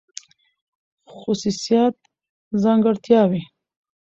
خصوصيات √ ځانګړتياوې